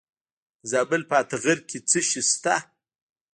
د زابل په اتغر کې څه شی شته؟